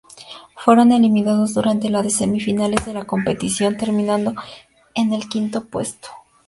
Fueron eliminados durante las semifinales de la competición, terminando en el quinto puesto.